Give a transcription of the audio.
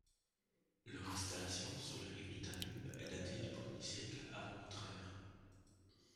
Leur installation sur les rives du Danube est datée du Ier siècle av.